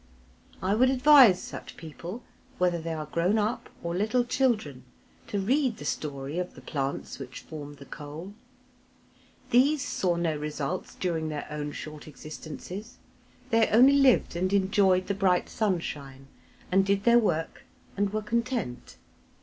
I would advise such people, whether they are grown up or little children, to read the story of the plants which form the coal. These saw no results during their own short existences, they only lived and enjoyed the bright sunshine, and did their work, and were content.